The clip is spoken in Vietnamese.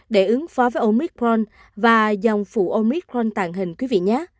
để ứng phó với omicron và dòng phụ omicron tàng hình